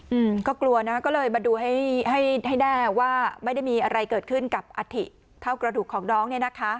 อืมก็กลัวนะก็เลยมาดูให้ให้แน่ว่าไม่ได้มีอะไรเกิดขึ้นกับอัฐิเท่ากระดูกของน้องเนี้ยนะคะ